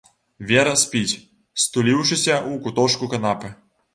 Вера спіць, стуліўшыся ў куточку канапы.